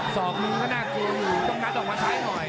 สอบมิธนกว่าน่ากลิ้วต้องกำหนักออกมาซ้ายหน่อย